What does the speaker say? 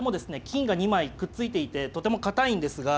金が２枚くっついていてとても堅いんですが。